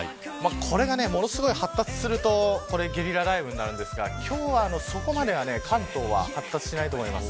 これが、ものすごい発達するとゲリラ雷雨になるんですが今日はそこまでは関東は発達しないと思います。